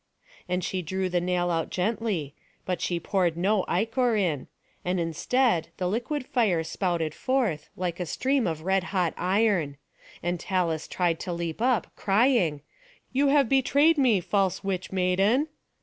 And she drew the nail out gently; but she poured no ichor in; and instead the liquid fire spouted forth, like a stream of red hot iron. And Talus tried to leap up, crying, "You have betrayed me, false witch maiden!"